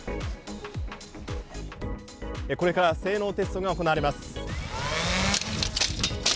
これから性能テストが行われます。